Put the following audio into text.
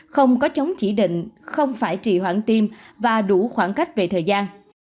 không có chống chỉ định không phải trì hoãn tim và đủ khoảng cách về thời gian